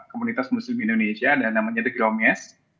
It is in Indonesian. komunitas muslim indonesia dan namanya the gromyes